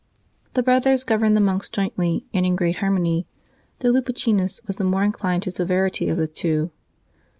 The brothers governed the monks jointly and in great harmony, though Lupicinus was the more inclined to severity of the two.